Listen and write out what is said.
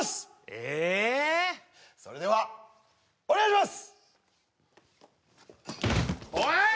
えっそれではお願いしますおい！